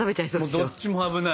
どっちも危ない。